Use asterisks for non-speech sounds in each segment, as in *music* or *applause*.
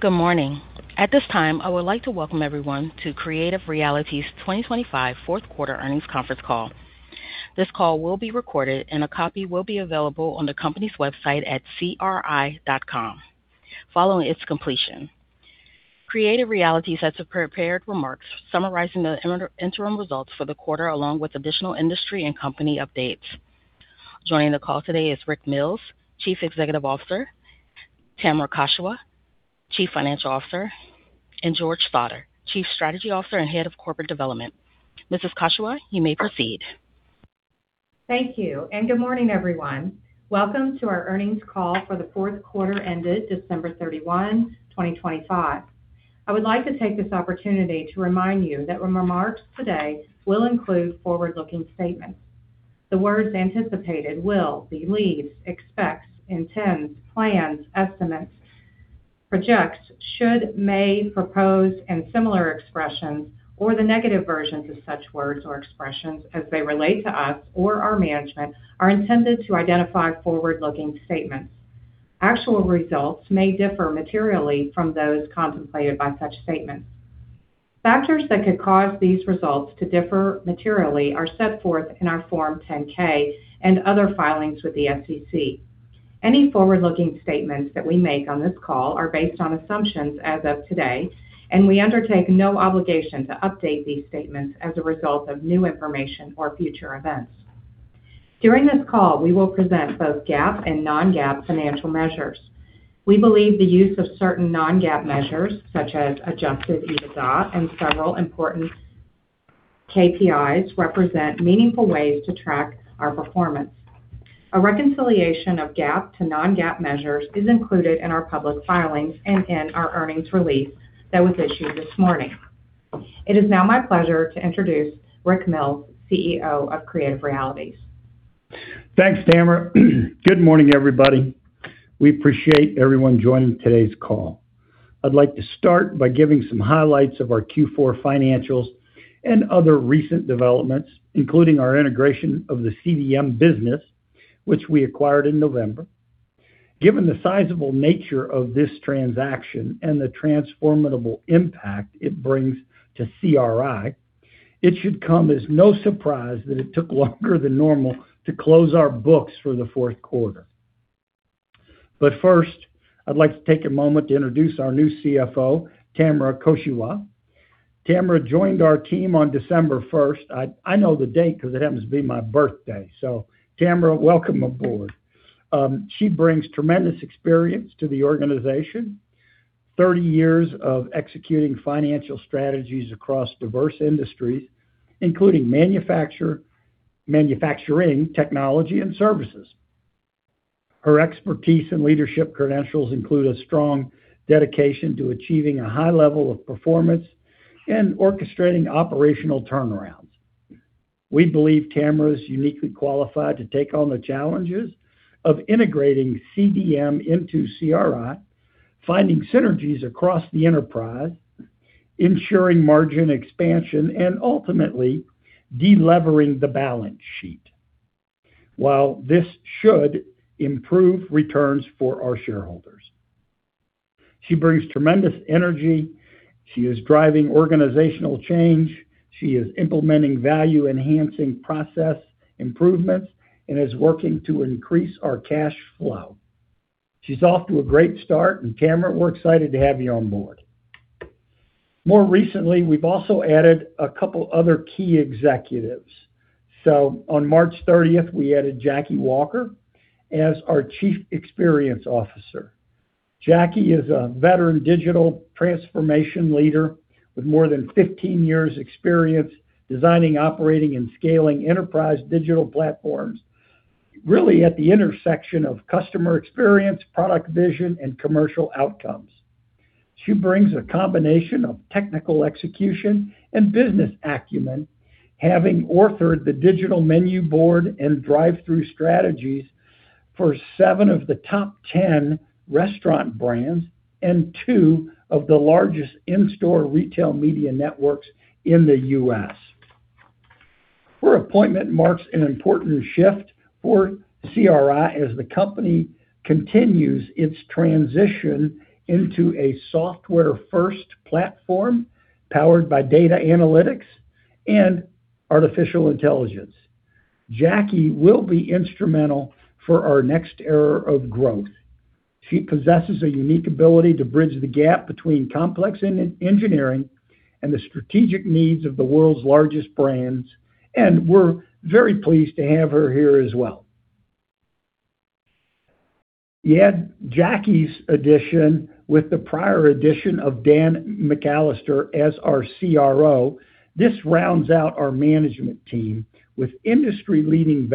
Good morning. At this time, I would like to welcome everyone to Creative Realities 2025 fourth quarter earnings conference call. This call will be recorded and a copy will be available on the company's website at cri.com following its completion. Creative Realities has prepared remarks summarizing the interim results for the quarter, along with additional industry and company updates. Joining the call today is Rick Mills, Chief Executive Officer, Tamra Koshewa, Chief Financial Officer, and George Sautter, Chief Strategy Officer and Head of Corporate Development, Mrs. Koshewa, you may proceed. Thank you, and good morning, everyone. Welcome to our earnings call for the fourth quarter ended December 31, 2025. I would like to take this opportunity to remind you that remarks today will include forward-looking statements. The words anticipated, will, believes, expects, intends, plans, estimates, projects, should, may, propose, and similar expressions, or the negative versions of such words or expressions as they relate to us or our management are intended to identify forward-looking statements. Actual results may differ materially from those contemplated by such statements. Factors that could cause these results to differ materially are set forth in our Form 10-K and other filings with the SEC. Any forward-looking statements that we make on this call are based on assumptions as of today, and we undertake no obligation to update these statements as a result of new information or future events. During this call, we will present both GAAP and non-GAAP financial measures. We believe the use of certain non-GAAP measures, such as Adjusted EBITDA and several important KPIs, represent meaningful ways to track our performance. A reconciliation of GAAP to non-GAAP measures is included in our public filings and in our earnings release that was issued this morning. It is now my pleasure to introduce Rick Mills, CEO of Creative Realities. Thanks, Tamra. Good morning, everybody. We appreciate everyone joining today's call. I'd like to start by giving some highlights of our Q4 financials and other recent developments, including our integration of the CDM business which we acquired in November. Given the sizable nature of this transaction and the transformative impact it brings to CRI, it should come as no surprise that it took longer than normal to close our books for the fourth quarter. First, I'd like to take a moment to introduce our new CFO, Tamra Koshewa. Tamra joined our team on December 1st. I know the date because it happens to be my birthday. Tamra, welcome aboard. She brings tremendous experience to the organization, 30 years of executing financial strategies across diverse industries, including Manufacturing, Technology, and Services. Her expertise and leadership credentials include a strong dedication to achieving a high level of performance and orchestrating operational turnarounds. We believe Tamra is uniquely qualified to take on the challenges of integrating CDM into CRI, finding synergies across the enterprise, ensuring margin expansion, and ultimately delevering the balance sheet, while this should improve returns for our shareholders. She brings tremendous energy. She is driving organizational change. She is implementing value-enhancing process improvements and is working to increase our cash flow. She's off to a great start, and Tamra, we're excited to have you on board. More recently, we've also added a couple other key executives. On March 30th, we added Jackie Walker as our Chief Experience Officer. Jackie is a veteran digital transformation leader with more than 15 years experience designing, operating, and scaling enterprise digital platforms, really at the intersection of customer experience, product vision, and commercial outcomes. She brings a combination of technical execution and business acumen, having authored the digital menu board and drive-through strategies for seven of the top 10 restaurant brands and two of the largest in-store retail media networks in the U.S. Her appointment marks an important shift for CRI as the company continues its transition into a software-first platform powered by data analytics and artificial intelligence. Jackie will be instrumental for our next era of growth. She possesses a unique ability to bridge the gap between complex engineering and the strategic needs of the world's largest brands, and we're very pleased to have her here as well. Yet Jackie's addition with the prior addition of Dan McAllister as our CRO, this rounds out our management team with industry-leading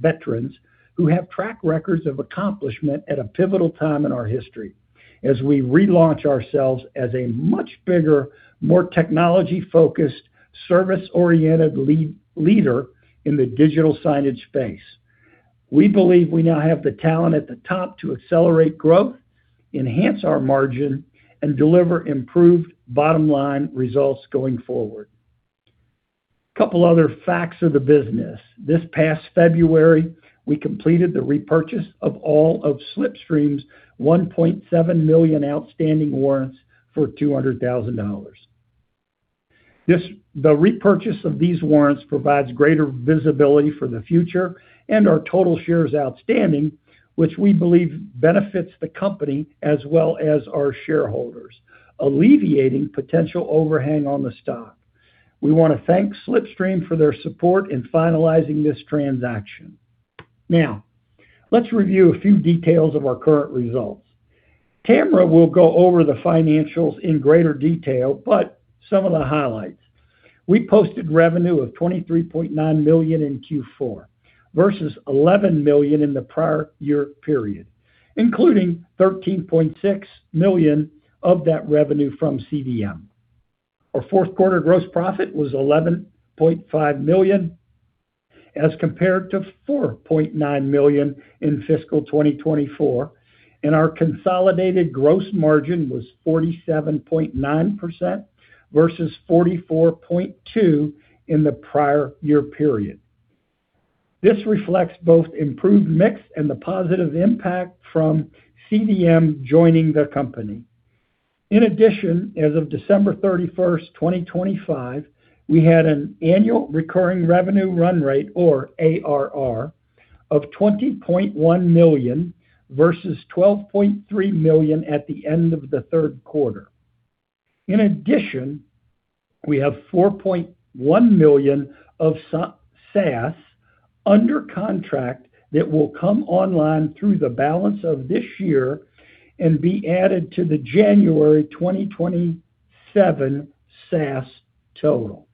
veterans who have track records of accomplishment at a pivotal time in our history as we relaunch ourselves as a much bigger, more technology-focused, service-oriented leader in the digital signage space. We believe we now have the talent at the top to accelerate growth, enhance our margin, and deliver improved bottom-line results going forward. A couple other facts of the business. This past February, we completed the repurchase of all of Slipstream's 1.7 million outstanding warrants for $200,000. The repurchase of these warrants provides greater visibility for the future and our total shares outstanding, which we believe benefits the company as well as our shareholders, alleviating potential overhang on the stock. We want to thank Slipstream for their support in finalizing this transaction. Now, let's review a few details of our current results. Tamra will go over the financials in greater detail, but some of the highlights, we posted revenue of $23.9 million in Q4 versus $11 million in the prior year period, including $13.6 million of that revenue from CDM. Our fourth quarter gross profit was $11.5 million as compared to $4.9 million in fiscal 2024, and our consolidated gross margin was 47.9% versus 44.2% in the prior year period. This reflects both improved mix and the positive impact from CDM joining the company. In addition, as of December 31st, 2025, we had an Annual Recurring Revenue run rate, or ARR, of $20.1 million versus $12.3 million at the end of the third quarter. In addition, we have $4.1 million of SaaS under contract that will come online through the balance of this year and be added to the January 2027 SaaS total.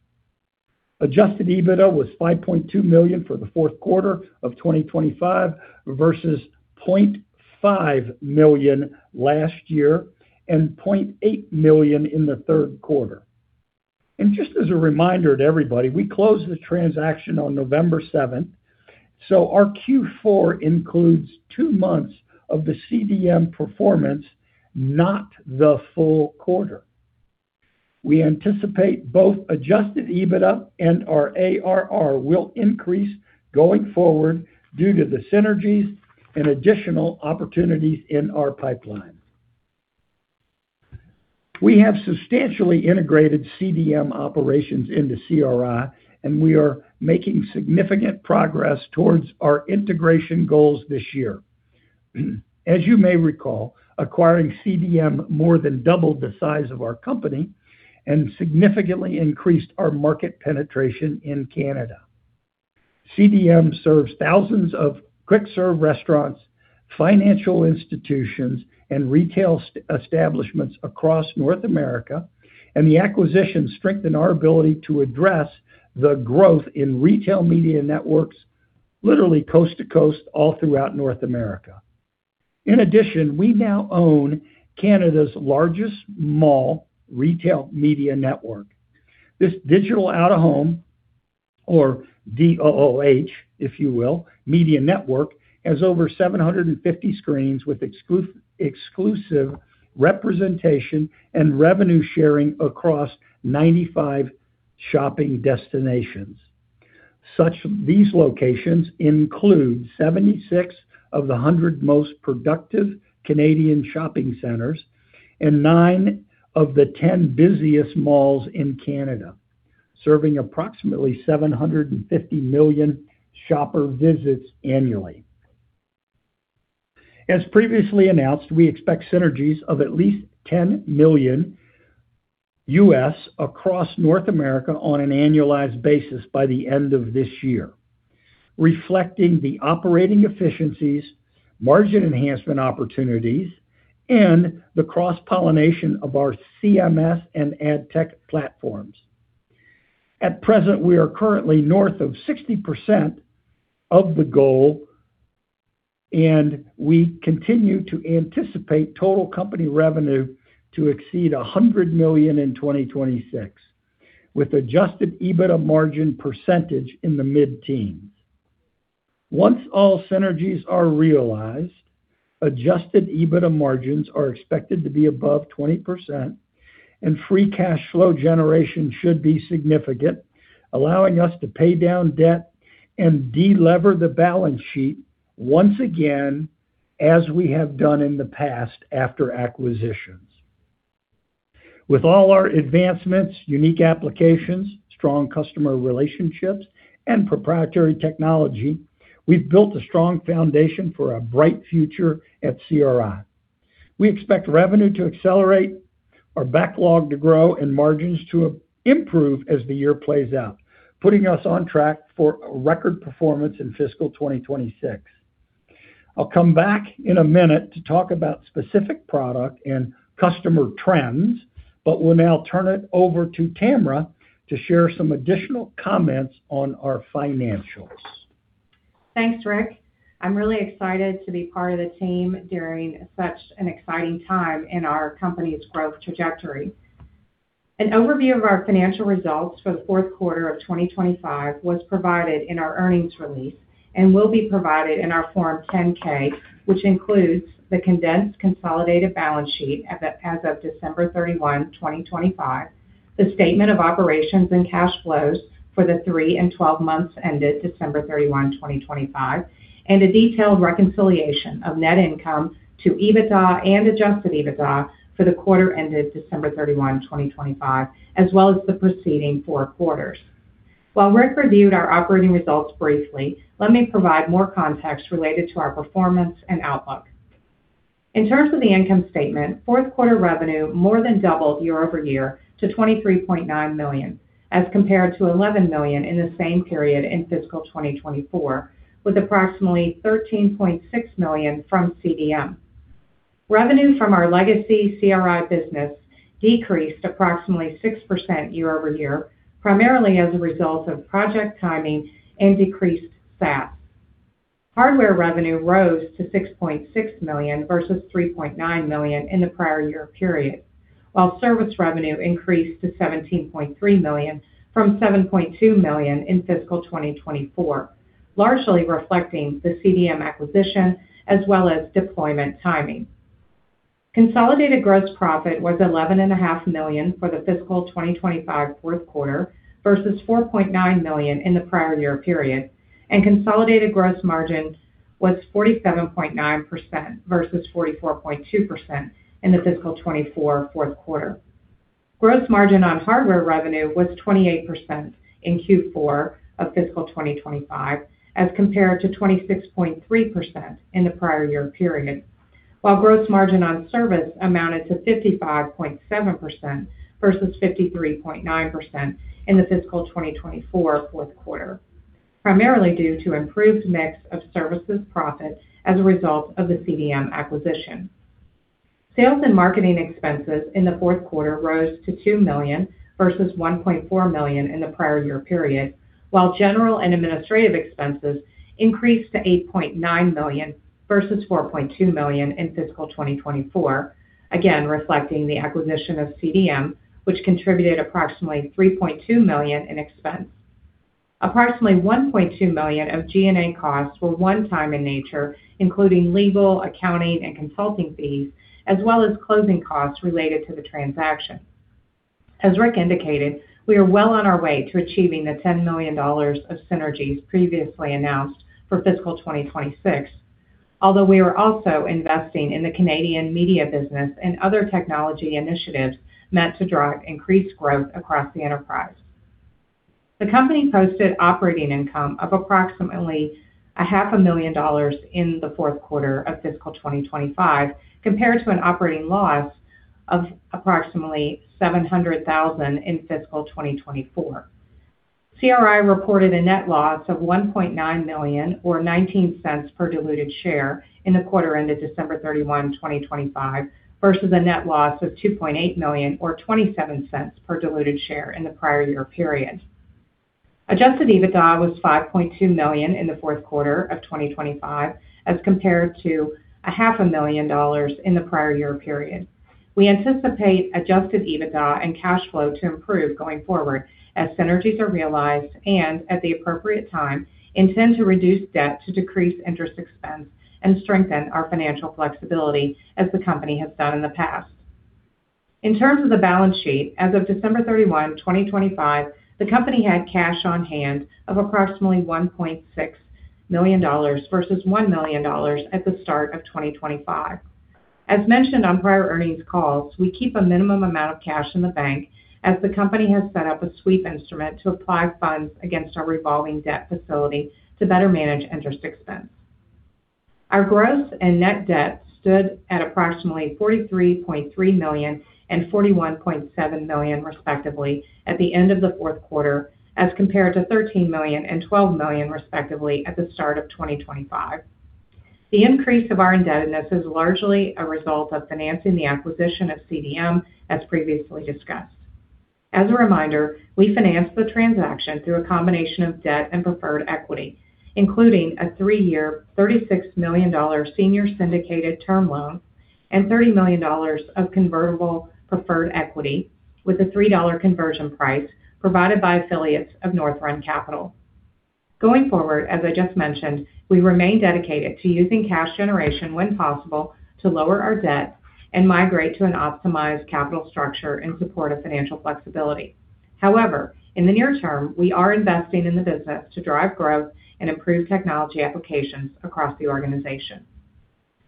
Adjusted EBITDA was $5.2 million for the fourth quarter of 2025 versus $0.5 million last year and $0.8 million in the third quarter. Just as a reminder to everybody, we closed the transaction on November 7th, so our Q4 includes two months of the CDM performance, not the full quarter. We anticipate both Adjusted EBITDA and our ARR will increase going forward due to the synergies and additional opportunities in our pipeline. We have substantially integrated CDM operations into CRI, and we are making significant progress towards our integration goals this year. As you may recall, acquiring CDM more than doubled the size of our company and significantly increased our market penetration in Canada. CDM serves thousands of quick-serve restaurants, financial institutions, and retail establishments across North America, and the acquisition strengthened our ability to address the growth in retail media networks, literally coast to coast, all throughout North America. In addition, we now own Canada's largest mall retail media network. This Digital Out-of-Home, or DOOH, if you will, media network, has over 750 screens with exclusive representation and revenue sharing across 95 shopping destinations. These locations include 76 of the 100 most productive Canadian shopping centers and nine of the 10 busiest malls in Canada, serving approximately 750 million shopper visits annually. As previously announced, we expect synergies of at least $10 million U.S. across North America on an annualized basis by the end of this year, reflecting the operating efficiencies, margin enhancement opportunities, and the cross-pollination of our CMS and AdTech platforms. At present, we are currently north of 60% of the goal, and we continue to anticipate total company revenue to exceed $100 million in 2026, with Adjusted EBITDA margin percentage in the mid-teens. Once all synergies are realized, Adjusted EBITDA margins are expected to be above 20%, and free cash flow generation should be significant, allowing us to pay down debt and de-lever the balance sheet once again, as we have done in the past after acquisitions. With all our advancements, unique applications, strong customer relationships, and proprietary technology, we've built a strong foundation for a bright future at CRI. We expect revenue to accelerate, our backlog to grow, and margins to improve as the year plays out, putting us on track for a record performance in fiscal 2026. I'll come back in a minute to talk about specific product and customer trends, but will now turn it over to Tamra to share some additional comments on our financials. Thanks, Rick. I'm really excited to be part of the team during such an exciting time in our company's growth trajectory. An overview of our financial results for the fourth quarter of 2025 was provided in our earnings release and will be provided in our Form 10-K, which includes the condensed consolidated balance sheet as of December 31, 2025, the statement of operations and cash flows for the three and 12 months ended December 31, 2025, and a detailed reconciliation of net income to EBITDA and Adjusted EBITDA for the quarter ended December 31, 2025, as well as the preceding four quarters. While Rick reviewed our operating results briefly, let me provide more context related to our performance and outlook. In terms of the income statement, fourth quarter revenue more than doubled year-over-year to $23.9 million, as compared to $11 million in the same period in fiscal 2024, with approximately $13.6 million from CDM. Revenue from our legacy CRI business decreased approximately 6% year-over-year, primarily as a result of project timing and decreased staff. Hardware revenue rose to $6.6 million versus $3.9 million in the prior year period, while service revenue increased to $17.3 million from $7.2 million in fiscal 2024, largely reflecting the CDM acquisition as well as deployment timing. Consolidated gross profit was $11.5 million for the fiscal 2025 fourth quarter versus $4.9 million in the prior year period, and consolidated gross margin was 47.9% versus 44.2% in the fiscal 2024 fourth quarter. Gross margin on hardware revenue was 28% in Q4 of fiscal 2025 as compared to 26.3% in the prior year period, while gross margin on service amounted to 55.7% versus 53.9% in the fiscal 2024 fourth quarter, primarily due to improved mix of services profit as a result of the CDM acquisition. Sales and Marketing expenses in the fourth quarter rose to $2 million versus $1.4 million in the prior year period, while General and Administrative expenses increased to $8.9 million versus $4.2 million in fiscal 2024, again reflecting the acquisition of CDM, which contributed approximately $3.2 million in expense. Approximately $1.2 million of G&A costs were one-time in nature, including legal, accounting, and consulting fees, as well as closing costs related to the transaction. As Rick indicated, we are well on our way to achieving the $10 million of synergies previously announced for fiscal 2026. Although, we are also investing in the Canadian media business and other technology initiatives meant to drive increased growth across the enterprise. The company posted operating income of approximately a $0.5 million in the fourth quarter of fiscal 2025, compared to an operating loss of approximately $700,000 in fiscal 2024. CRI reported a net loss of $1.9 million, or $0.19 per diluted share in the quarter ended December 31, 2025, versus a net loss of $2.8 million or $0.27 per diluted share in the prior year period. Adjusted EBITDA was $5.2 million in the fourth quarter of 2025 as compared to a half a million dollars in the prior year period. We anticipate Adjusted EBITDA and cash flow to improve going forward as synergies are realized and, at the appropriate time, intend to reduce debt to decrease interest expense and strengthen our financial flexibility as the Company has done in the past. In terms of the Balance Sheet, as of December 31, 2025, the Company had cash on hand of approximately $1.6 million versus $1 million at the start of 2025. As mentioned on prior earnings calls, we keep a minimum amount of cash in the bank as the Company has set up a sweep instrument to apply funds against our Revolving Debt Facility to better manage interest expense. Our Gross and Net Debt stood at approximately $43.3 million and $41.7 million, respectively, at the end of the fourth quarter as compared to $13 million and $12 million, respectively, at the start of 2025. The increase of our indebtedness is largely a result of financing the acquisition of CDM, as previously discussed. As a reminder, we financed the transaction through a combination of debt and preferred equity, including a three-year $36 million senior syndicated term loan and $30 million of convertible preferred equity with a $3 conversion price provided by affiliates of North Run Capital. Going forward, as I just mentioned, we remain dedicated to using cash generation when possible to lower our debt and migrate to an optimized capital structure in support of financial flexibility. However, in the near term, we are investing in the business to drive growth and improve technology applications across the organization.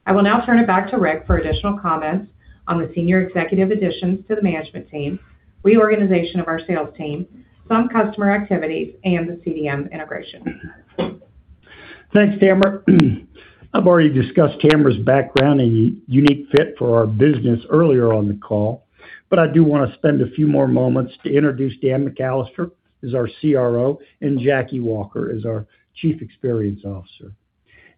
I will now turn it back to Rick for additional comments on the Senior Executive Additions to the Management team, reorganization of our Sales team, some customer activities, and the CDM integration. Thanks, Tamra. I've already discussed Tamra's background and unique fit for our business earlier on the call, but I do want to spend a few more moments to introduce Dan McAllister as our CRO and Jackie Walker as our Chief Experience Officer.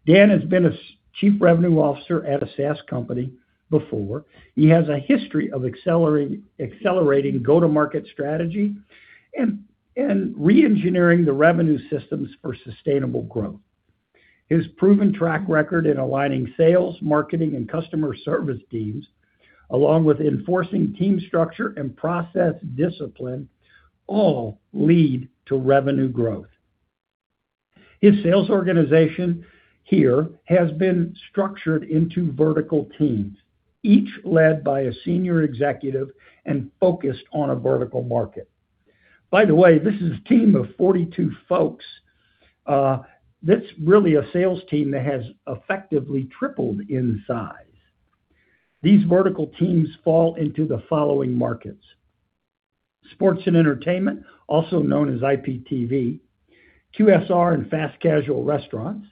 Dan has been a Chief Revenue Officer at a SaaS company before. He has a history of accelerating go-to-market strategy and reengineering the revenue systems for sustainable growth. His proven track record in aligning sales, marketing, and customer service teams, along with enforcing team structure and process discipline, all lead to revenue growth. His sales organization here has been structured into vertical teams, each led by a senior executive and focused on a vertical market. By the way, this is a team of 42 folks. That's really a Sales team that has effectively tripled in size. These vertical teams fall into the following markets, Sports and Entertainment, also known as IPTV, QSR and Fast Casual Restaurants,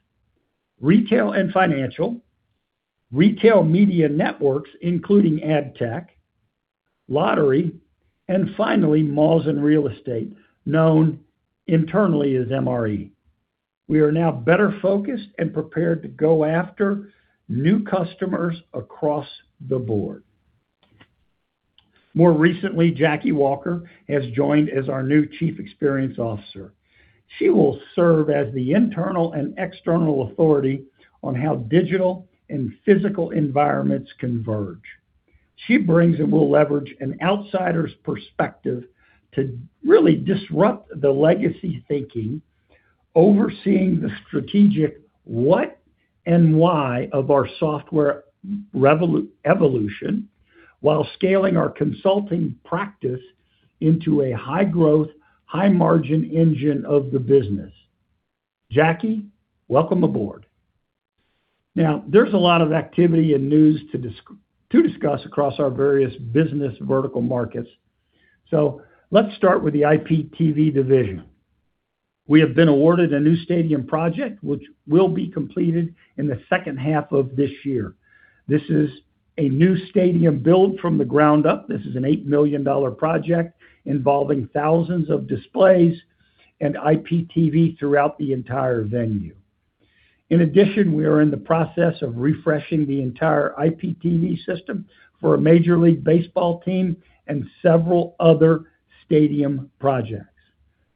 Retail and Financial, Retail Media Networks, including AdTech, Lottery, and finally, Malls and Real Estate, known internally as MRE. We are now better focused and prepared to go after new customers across the board. More recently, Jackie Walker has joined as our new Chief Experience Officer. She will serve as the internal and external authority on how digital and physical environments converge. She brings and will leverage an outsider's perspective to really disrupt the legacy thinking, overseeing the strategic what and why of our software evolution, while scaling our consulting practice into a high-growth, high-margin engine of the business. Jackie, welcome aboard. Now, there's a lot of activity and news to discuss across our various business vertical markets. Let's start with the IPTV division. We have been awarded a new stadium project, which will be completed in the second half of this year. This is a new stadium build from the ground up. This is an $8 million project involving thousands of displays and IPTV throughout the entire venue. In addition, we are in the process of refreshing the entire IPTV system for a Major League Baseball team and several other stadium projects.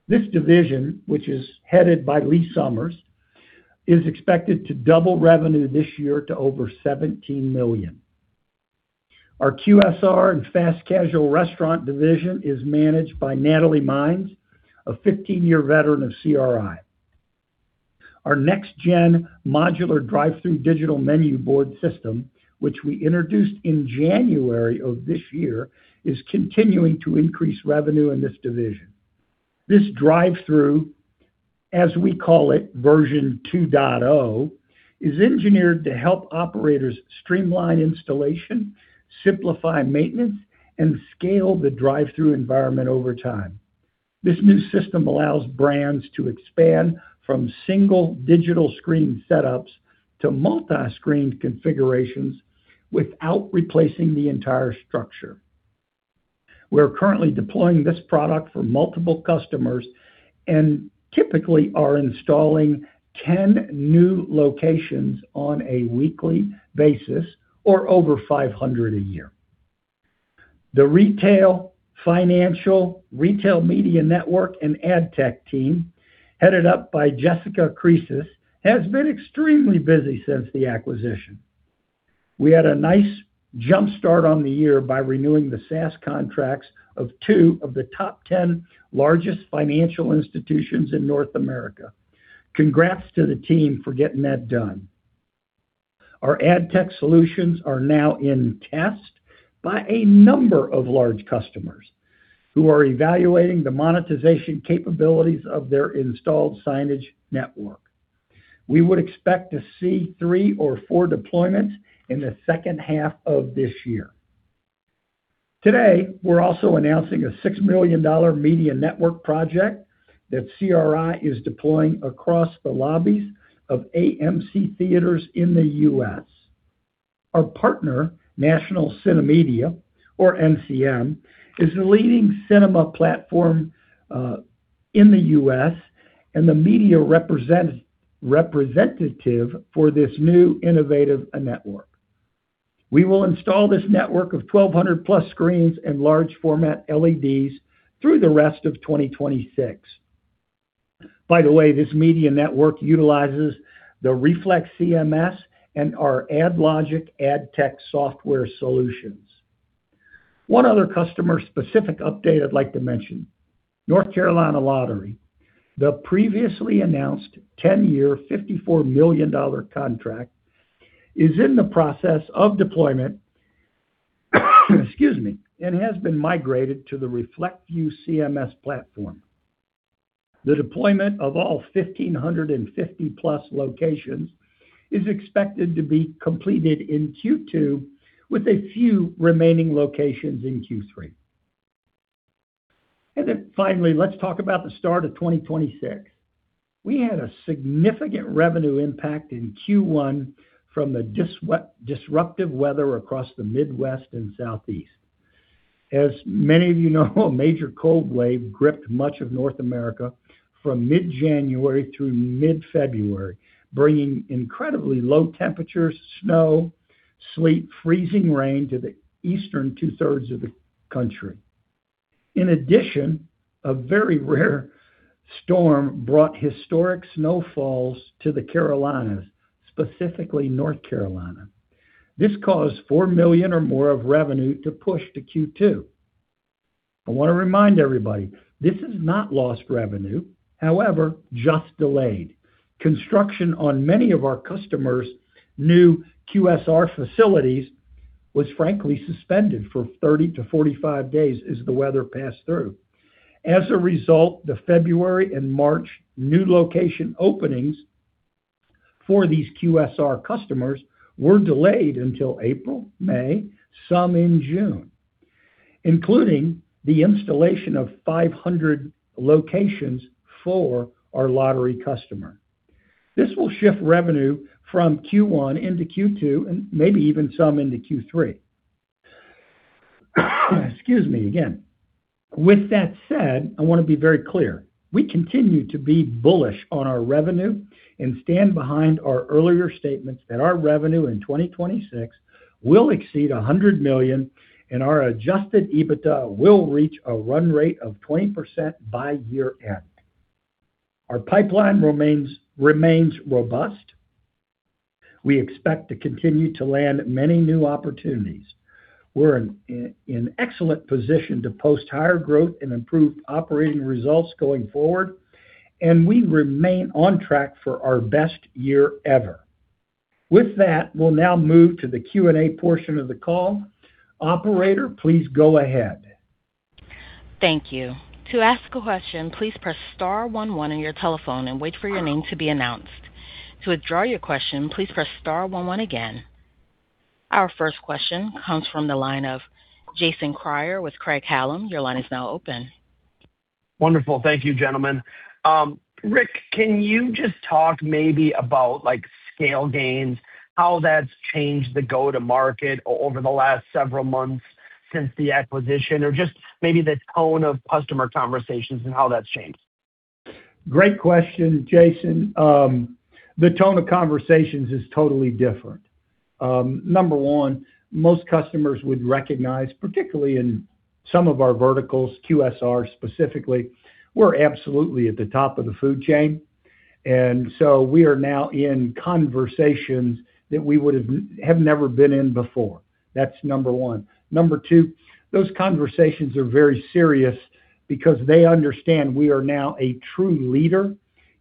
This division, which is headed by Lee Summers, is expected to double revenue this year to over $17 million. Our QSR and fast casual restaurant division is managed by Natalee Minds, a 15-year veteran of CRI. Our next-gen modular Drive-Thru digital menu board system, which we introduced in January of this year, is continuing to increase revenue in this division. This Drive-Thru, as we call it, Version 2.0, is engineered to help operators streamline installation, simplify maintenance, and scale the drive-through environment over time. This new system allows brands to expand from single digital screen setups to multi-screen configurations without replacing the entire structure. We're currently deploying this product for multiple customers and typically are installing 10 new locations on a weekly basis, or over 500 a year. The Retail, Financial, Retail Media Network, and AdTech team, headed up by Jessica Creces, has been extremely busy since the acquisition. We had a nice jumpstart on the year by renewing the SaaS contracts of two of the top 10 largest financial institutions in North America. Congrats to the team for getting that done. Our AdTech solutions are now in test by a number of large customers who are evaluating the monetization capabilities of their installed signage network. We would expect to see three or four deployments in the second half of this year. Today, we're also announcing a $6 million media network project that CRI is deploying across the lobbies of AMC Theatres in the U.S. Our partner, National CineMedia, or NCM, is the leading cinema platform in the U.S. and the media representative for this new innovative network. We will install this network of 1,200+ screens and large format LEDs through the rest of 2026. By the way, this media network utilizes the Reflect CMS and our AdLogic AdTech software solutions. One other customer-specific update I'd like to mention, North Carolina Lottery. The previously announced 10-year, $54 million contract is in the process of deployment, excuse me, and has been migrated to the ReflectView CMS platform. The deployment of all 1,550+ locations is expected to be completed in Q2, with a few remaining locations in Q3. Finally, let's talk about the start of 2026. We had a significant revenue impact in Q1 from the disruptive weather across the Midwest and Southeast. As many of you know, a major cold wave gripped much of North America from mid-January through mid-February, bringing incredibly low temperatures, snow, sleet, freezing rain to the eastern 2/3 of the country. In addition, a very rare storm brought historic snowfalls to the Carolinas, specifically North Carolina. This caused $4 million or more of revenue to push to Q2. I want to remind everybody, this is not lost revenue, however, just delayed. Construction on many of our customers' new QSR facilities was frankly suspended for 30-45 days as the weather passed through. As a result, the February and March new location openings for these QSR customers were delayed until April, May, some in June, including the installation of 500 locations for our lottery customer. This will shift revenue from Q1 into Q2 and maybe even some into Q3. Excuse me again. With that said, I want to be very clear. We continue to be bullish on our revenue and stand behind our earlier statements that our revenue in 2026 will exceed $100 million, and our Adjusted EBITDA will reach a run rate of 20% by year-end. Our pipeline remains robust. We expect to continue to land many new opportunities. We're in excellent position to post higher growth and improve operating results going forward, and we remain on track for our best year ever. With that, we'll now move to the Q&A portion of the call. Operator, please go ahead. Thank you. To ask a question, please press star one one on your telephone and wait for your name to be announced. To withdraw your question, please press star one one again. Our first question comes from the line of Jason Kreyer with Craig-Hallum. Your line is now open. Wonderful. Thank you, gentlemen. Rick, can you just talk maybe about scale gains, how that's changed the go-to-market over the last several months since the acquisition, or just maybe the tone of customer conversations and how that's changed? Great question, Jason. The tone of conversations is totally different. Number one, most customers would recognize, particularly in some of our verticals, QSR specifically, we're absolutely at the top of the food chain, and so we are now in conversations that we would have never been in before. That's number one. Number two, those conversations are very serious because they understand we are now a true leader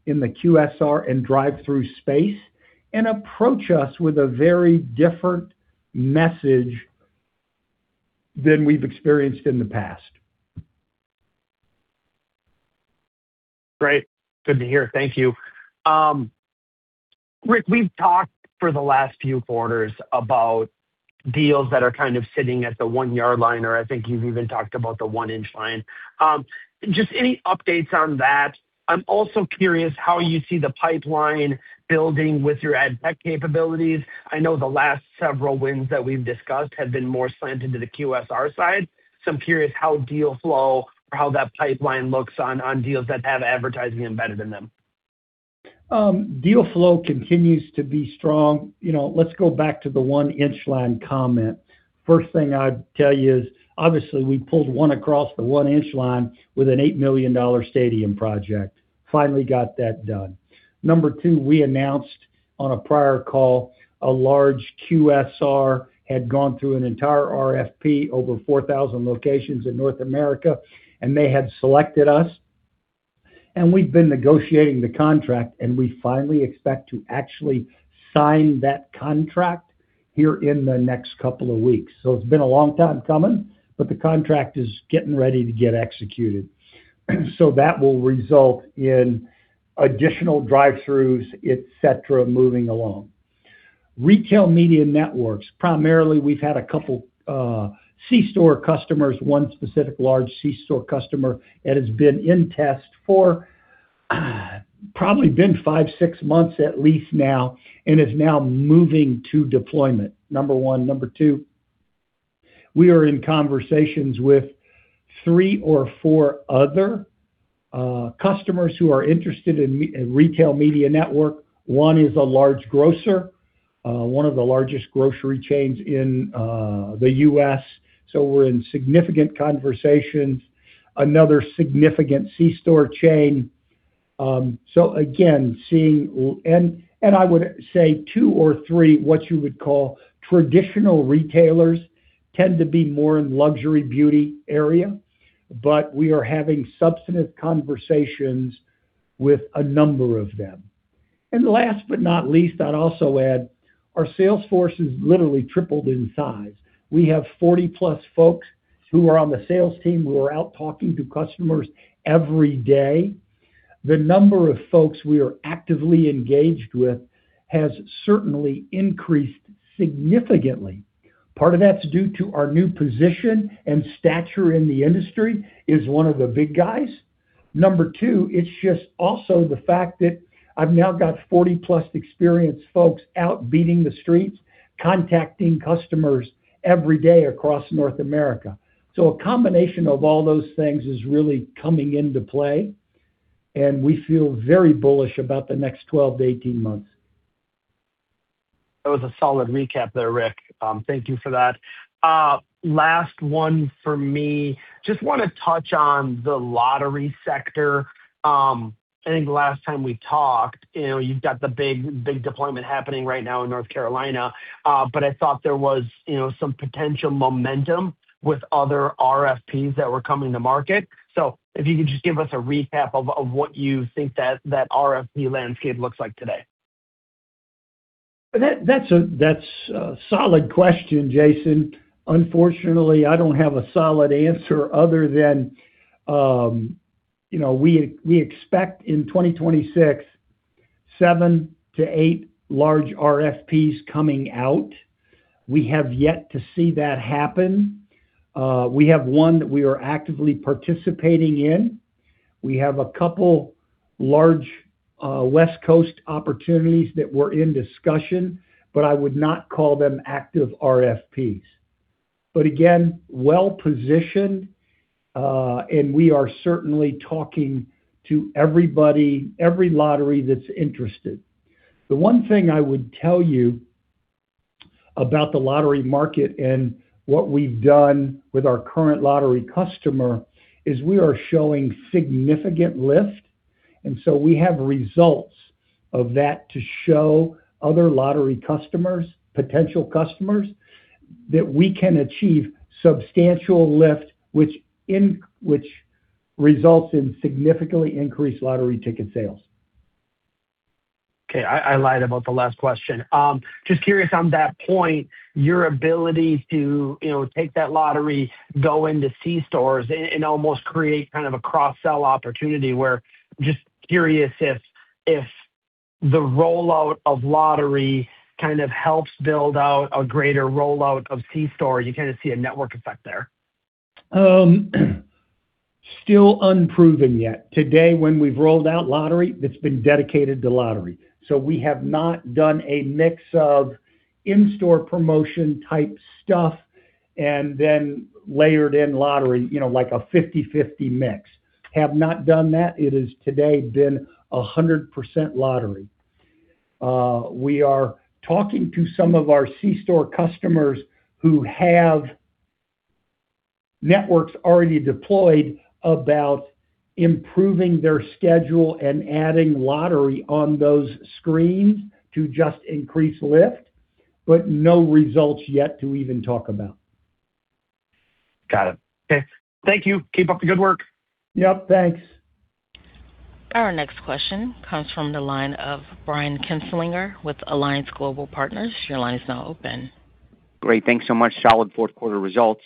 in the QSR and drive-through space and approach us with a very different message than we've experienced in the past. Great, good to hear. Thank you. Rick, we've talked for the last few quarters about deals that are kind of sitting at the one-yard line, or I think you've even talked about the one-inch line. Just any updates on that? I'm also curious how you see the pipeline building with your AdTech capabilities. I know the last several wins that we've discussed have been more slanted to the QSR side. I'm curious how deal flow or how that pipeline looks on deals that have advertising embedded in them. Deal flow continues to be strong. Let's go back to the one-inch line comment. First thing I'd tell you is, obviously, we pulled one across the one-inch line with an $8 million stadium project. Finally got that done. Number two, we announced on a prior call, a large QSR had gone through an entire RFP, over 4,000 locations in North America, and they had selected us, and we've been negotiating the contract, and we finally expect to actually sign that contract here in the next couple of weeks. It's been a long time coming, but the contract is getting ready to get executed. That will result in additional Drive-Thru, etc., moving along. Retail media networks, primarily, we've had a couple C-store customers, one specific large C-store customer that has been in test for probably five, six months at least now, and is now moving to deployment. Number one. Number two, we are in conversations with three or four other customers who are interested in retail media network. One is a large grocer, one of the largest grocery chains in the U.S., so we're in significant conversations. Another significant C-store chain. Again, I would say two or three, what you would call traditional retailers tend to be more in luxury beauty area, but we are having substantive conversations with a number of them. Last but not least, I'd also add our sales force has literally tripled in size. We have 40+ folks who are on the sales team who are out talking to customers every day. The number of folks we are actively engaged with has certainly increased significantly. Part of that's due to our new position and stature in the industry as one of the big guys. Number two, it's just also the fact that I've now got 40+ experienced folks out beating the streets, contacting customers every day across North America. A combination of all those things is really coming into play, and we feel very bullish about the next 12-18 months. That was a solid recap there, Rick. Thank you for that. Last one for me, just want to touch on the lottery sector. I think the last time we talked, you've got the big deployment happening right now in North Carolina, but I thought there was some potential momentum with other RFPs that were coming to market. If you could just give us a recap of what you think that RFP landscape looks like today? That's a solid question, Jason. Unfortunately, I don't have a solid answer other than we expect in 2026, seven to eight large RFPs coming out. We have yet to see that happen. We have one that we are actively participating in. We have a couple large West Coast opportunities that were in discussion, but I would not call them active RFPs. Again, well-positioned, and we are certainly talking to everybody, every lottery that's interested. The one thing I would tell you about the lottery market and what we've done with our current lottery customer is we are showing significant lift, and so we have results of that to show other lottery customers, potential customers, that we can achieve substantial lift, which results in significantly increased lottery ticket sales. Okay. I lied about the last question. Just curious on that point, your ability to take that lottery, go into C-stores, and almost create kind of a cross-sell opportunity. Just curious if the rollout of lottery kind of helps build out a greater rollout of C-stores. You kind of see a network effect there. Still unproven yet. Today, when we've rolled out lottery, that's been dedicated to lottery. We have not done a mix of in-store promotion type stuff and then layered in lottery, like a 50/50 mix. Have not done that. It has today been 100% lottery. We are talking to some of our C-store customers who have networks already deployed about improving their schedule and adding lottery on those screens to just increase lift, but no results yet to even talk about. Got it. Okay. Thank you. Keep up the good work. Yep, thanks. Our next question comes from the line of Brian Kinstlinger with Alliance Global Partners. Your line is now open. Great. Thanks so much. Solid fourth quarter results.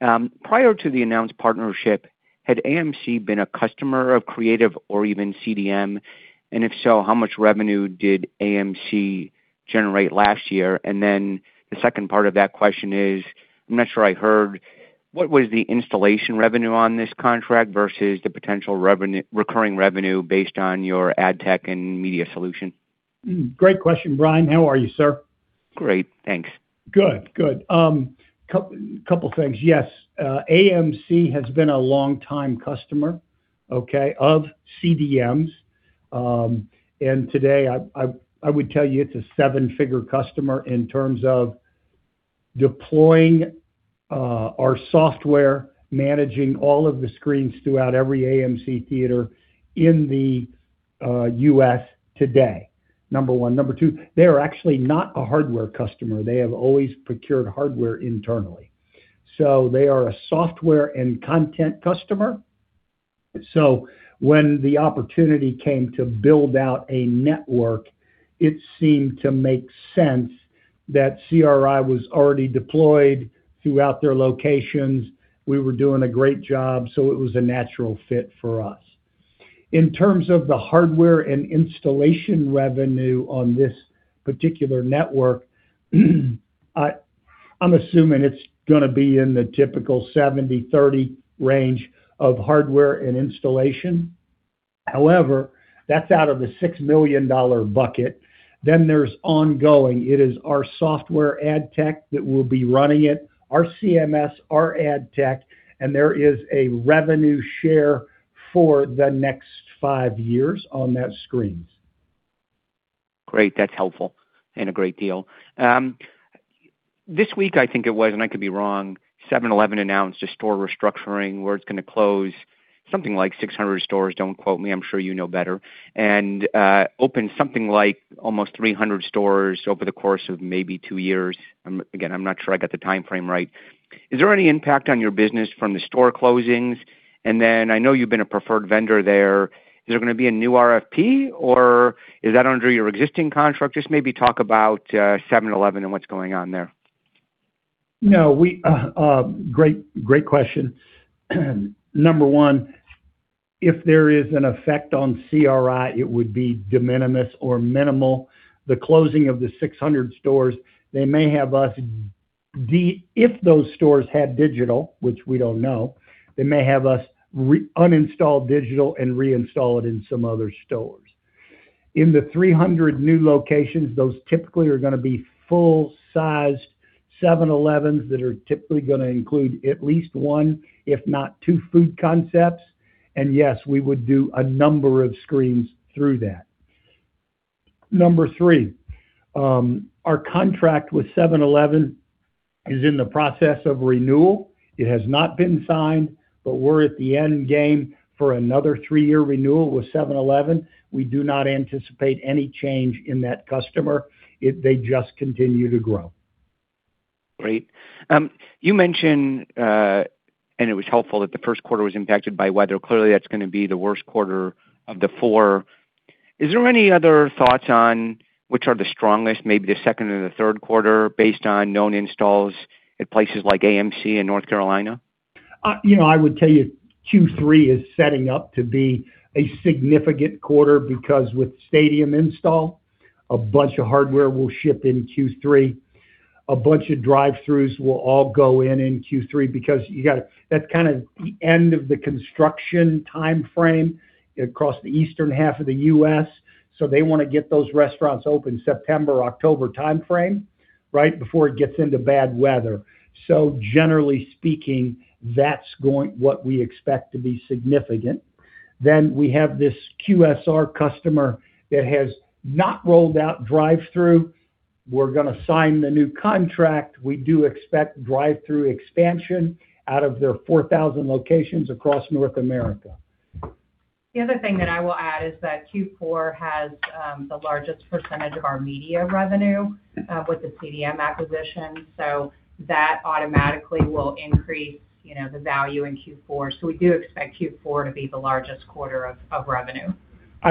Prior to the announced partnership, had AMC been a customer of Creative or even CDM? If so, how much revenue did AMC generate last year? The second part of that question is, I'm not sure I heard, what was the installation revenue on this contract versus the potential recurring revenue based on your AdTech and media solution? Great question, Brian. How are you, sir? Great, thanks. Good, couple things. Yes, AMC has been a long-time customer of CDM's. Today, I would tell you it's a seven-figure customer in terms of deploying our software, managing all of the screens throughout every AMC Theatre in the U.S. today, number one. Number two, they are actually not a hardware customer. They have always procured hardware internally. They are a software and content customer. When the opportunity came to build out a network, it seemed to make sense that CRI was already deployed throughout their locations. We were doing a great job, so it was a natural fit for us. In terms of the hardware and installation revenue on this particular network, I'm assuming it's going to be in the typical 70/30 range of hardware and installation. However, that's out of the $6 million bucket. There's ongoing. It is our software AdTech that will be running it, our CMS, our AdTech, and there is a revenue share for the next five years on those screens. Great. That's helpful and a great deal. This week, I think it was, and I could be wrong, 7-Eleven announced a store restructuring where it's going to close something like 600 stores, don't quote me, I'm sure you know better, and open something like almost 300 stores over the course of maybe two years. Again, I'm not sure I got the timeframe right. Is there any impact on your business from the store closings? I know you've been a preferred vendor there. Is there going to be a new RFP or is that under your existing contract? Just maybe talk about 7-Eleven and what's going on there? No. Great question. Number one, if there is an effect on CRI, it would be de minimis or minimal. The closing of the 600 stores, if those stores had digital, which we don't know, they may have us uninstall digital and reinstall it in some other stores. In the 300 new locations, those typically are going to be full-sized 7-Eleven that are typically going to include at least one, if not two, food concepts. Yes, we would do a number of screens through that. Number three, our contract with 7-Eleven is in the process of renewal. It has not been signed, but we're at the end game for another three-year renewal with 7-Eleven. We do not anticipate any change in that customer. They just continue to grow. Great. You mentioned, and it was helpful, that the first quarter was impacted by weather. Clearly, that's going to be the worst quarter of the four. Is there any other thoughts on which are the strongest, maybe the second or the third quarter, based on known installs at places like AMC in North Carolina? I would tell you Q3 is setting up to be a significant quarter because, with stadium install, a bunch of hardware will ship in Q3. A bunch of drive-throughs will all go in in Q3 because that's kind of the end of the construction timeframe across the eastern half of the U.S., so they want to get those restaurants open September, October timeframe, right before it gets into bad weather. Generally speaking, that's what we expect to be significant. We have this QSR customer that has not rolled out drive-through. We're going to sign the new contract. We do expect Drive-Thru expansion out of their 4,000 locations across North America. The other thing that I will add is that Q4 has the largest percentage of our media revenue with the CDM acquisition, so that automatically will increase the value in Q4. So we do expect Q4 to be the largest quarter of revenue.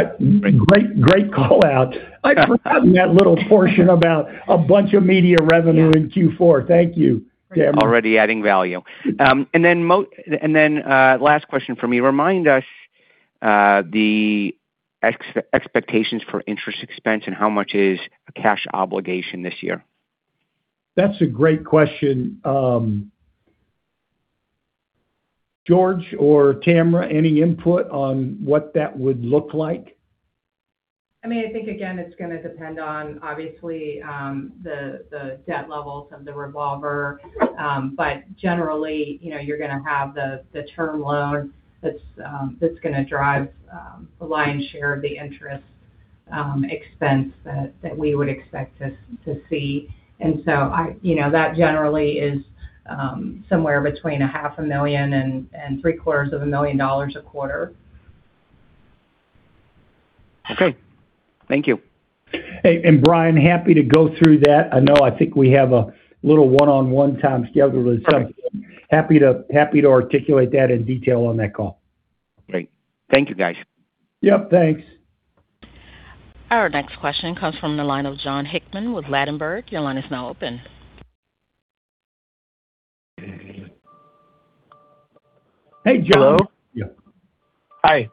Great call-out. *crosstalk* I forgot that little portion about a bunch of media revenue in Q4. Thank you, Tamra. Already adding value. Last question from me. Remind us the expectations for interest expense and how much is a cash obligation this year? That's a great question. George or Tamra, any input on what that would look like? I think, again, it's going to depend on, obviously, the debt levels of the revolver. Generally, you're going to have the term loan that's going to drive the lion's share of the interest expense that we would expect to see. That generally is somewhere between a half a million and three-quarters of a million dollars a quarter. Okay. Thank you. Hey, Brian, I am happy to go through that. I think we have a little one-on-one time scheduled. Perfect. Happy to articulate that in detail on that call. Great. Thank you, guys. Yep, thanks. Our next question comes from the line of Jon Hickman with Ladenburg Thalmann. Your line is now open. Hey, Jon. Hello? Yeah. Hi.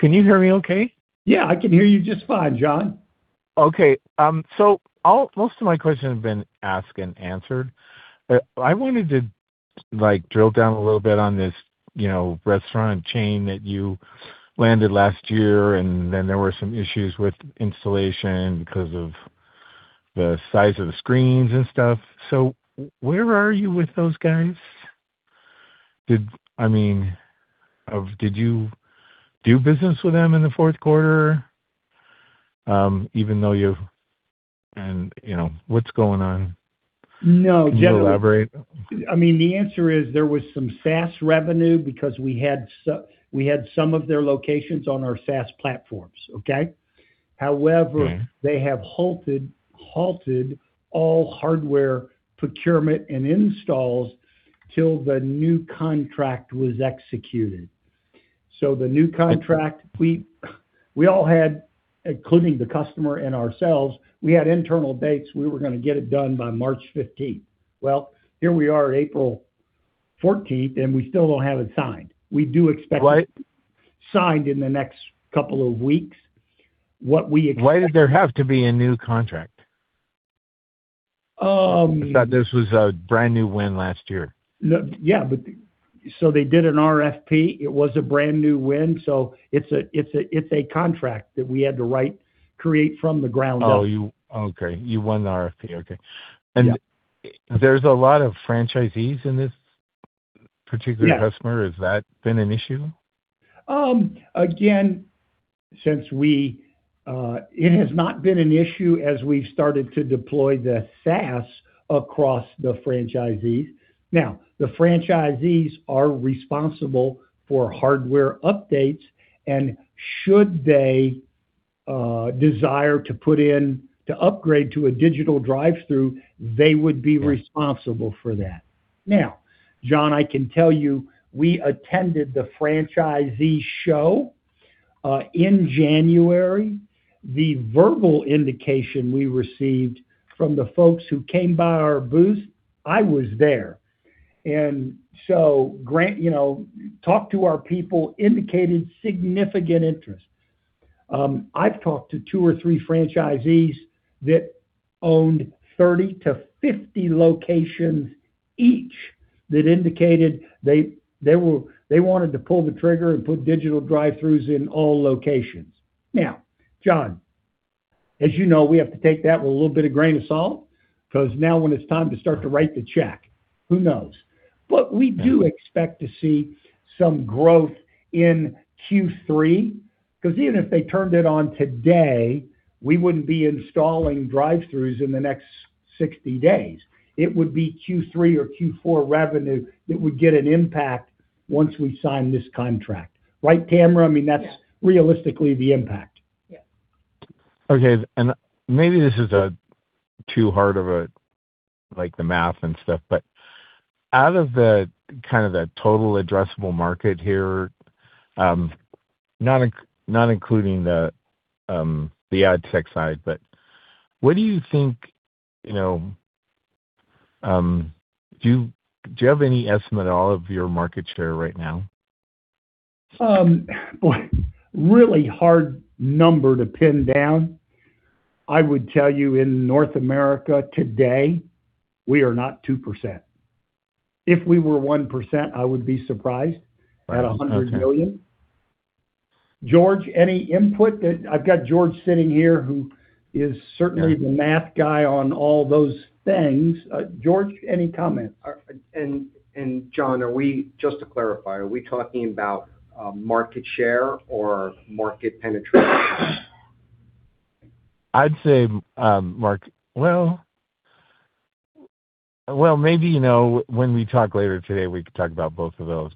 Can you hear me okay? Yeah, I can hear you just fine, Jon. Okay. Most of my questions have been asked and answered. I wanted to drill down a little bit on this restaurant chain that you landed last year, and then there were some issues with installation because of the size of the screens and stuff. Where are you with those guys? Did you do business with them in the fourth quarter? What's going on? No. Can you elaborate? The answer is there was some SaaS revenue because we had some of their locations on our SaaS platforms, okay? Okay. They have halted all hardware procurement and installs till the new contract was executed. The new contract, we all had, including the customer and ourselves, we had internal dates. We were going to get it done by March 15th. Well, here we are April 14th, and we still don't have it signed. We do expect it. Right. Signed in the next couple of weeks. Why did there have to be a new contract? You said this was a brand-new win last year. Yeah. They did an RFP. It was a brand-new win. It's a contract that we had to write, create from the ground up. Oh, okay. You won the RFP, okay. Yeah. There's a lot of franchisees in this particular customer. Yeah. Has that been an issue? Again, it has not been an issue as we've started to deploy the SaaS across the franchisees. Now, the franchisees are responsible for hardware updates, and should they desire to upgrade to a Digital Drive-Thru, they would be responsible for that. Now, Jon, I can tell you, we attended the franchisee show in January. The verbal indication we received from the folks who came by our booth, I was there, talked to our people, indicated significant interest. I've talked to two or three franchisees that owned 30-50 locations each that indicated they wanted to pull the trigger and put Digital Drive-Thru in all locations. Now, Jon, as you know, we have to take that with a little bit of grain of salt, because now when it's time to start to write the check, who knows? We do expect to see some growth in Q3, because even if they turned it on today, we wouldn't be installing Drive-Thru in the next 60 days. It would be Q3 or Q4 revenue that would get an impact once we sign this contract. Right, Tamra? Yes. I mean, that's realistically the impact. Yes. Okay, maybe like the math and stuff, but out of the total addressable market here, not including the AdTech side, what do you think? Do you have any estimate at all of your market share right now? Boy, really hard number to pin down. I would tell you in North America today, we are not 2%. If we were 1%, I would be surprised. Okay. At $100 million. George, any input? I've got George sitting here, who is certainly the math guy on all those things. George, any comments? Jon, just to clarify, are we talking about market share or market penetration? Well, maybe, when we talk later today, we can talk about both of those.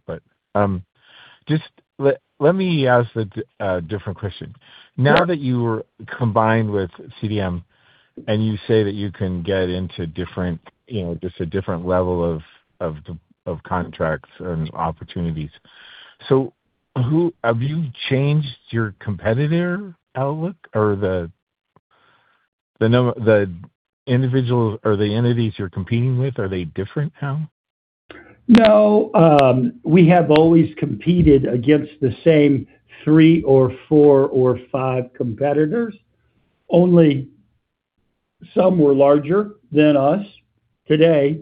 Just let me ask a different question. Now that you are combined with CDM and you say that you can get into just a different level of contracts and opportunities, have you changed your competitor outlook or the individuals or the entities you're competing with? Are they different now? No. We have always competed against the same three or four or five competitors. Only, some were larger than us. Today,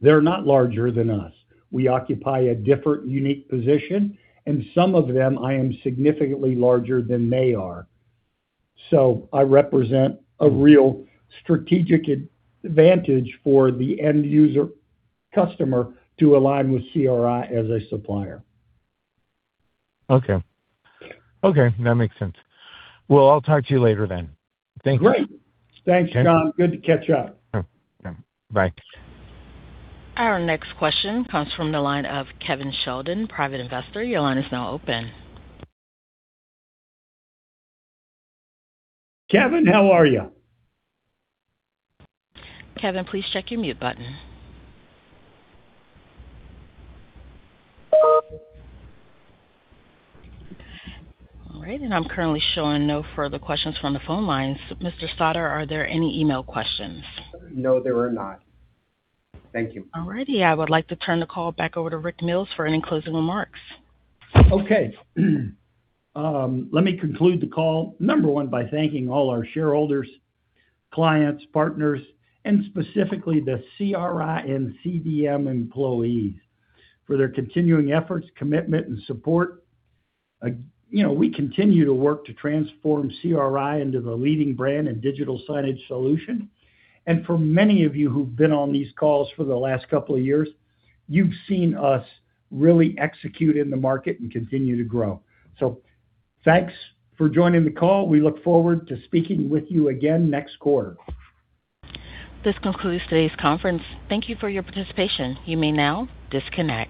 they're not larger than us. We occupy a different, unique position, and some of them, I am significantly larger than they are. I represent a real strategic advantage for the end-user customer to align with CRI as a supplier. Okay. That makes sense. Well, I'll talk to you later then. Thank you. Great. Thanks, Jon. Good to catch up. Sure. Okay. Bye. Our next question comes from the line of Kevin Sheldon, Private Investor. Your line is now open. Kevin, how are you? Kevin, please check your mute button. All right. I'm currently showing no further questions from the phone lines. Mr. Sautter, are there any email questions? No, there are not. Thank you. Alrighty. I would like to turn the call back over to Rick Mills for any closing remarks. Okay. Let me conclude the call, number one, by thanking all our shareholders, clients, partners, and specifically the CRI and CDM employees for their continuing efforts, commitment and support. We continue to work to transform CRI into the leading brand in digital signage solution. For many of you who've been on these calls for the last couple of years, you've seen us really execute in the market and continue to grow. Thanks for joining the call. We look forward to speaking with you again next quarter. This concludes today's conference. Thank you for your participation. You may now disconnect.